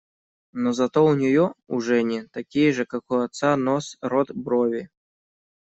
Но зато у нее, у Жени, такие же, как у отца, нос, рот, брови.